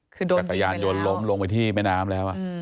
กักยานยนต์ล้มลงไปที่แม่น้ำแล้ว